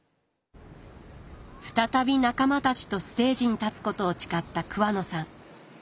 再び仲間たちとステージに立つことを誓った桑野さん。